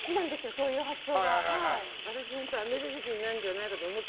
そういう発想。